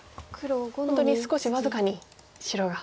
本当に少し僅かに白が。